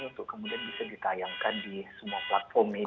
untuk kemudian bisa ditayangkan di semua platform